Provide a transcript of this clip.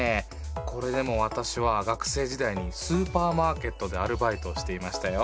これでも私は学生時代にスーパーマーケットでアルバイトをしていましたよ。